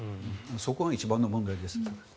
そこが一番の問題です。